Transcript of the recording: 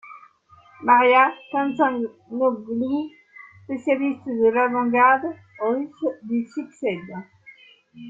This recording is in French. Maria Tsantsanoglou, spécialiste de l'avant-garde russe, lui succède.